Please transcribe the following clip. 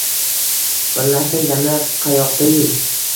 Birlashgan jamiyat qayoqda-yu